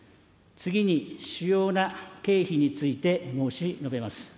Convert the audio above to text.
次に主要な経費について申し述べます。